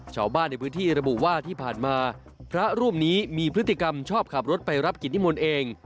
ชาวบ้านในพื้นที่ระบุว่าที่ผ่านมาพระรูปนี้มีพฤติกรรมชอบขับรถไปรับกิจนิมนต์เอง